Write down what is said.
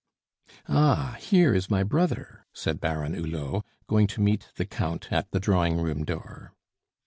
"Ah, here is my brother!" said Baron Hulot, going to meet the Count at the drawing room door.